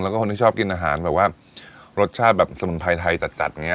แล้วก็คนที่ชอบกินอาหารแบบว่ารสชาติแบบสมุนไพรไทยจัดจัดอย่างเง